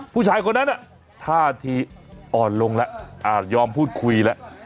ผู้ชายคนนั้นท่าทีอ่อนลงแล้วยอมพูดคุยแล้ว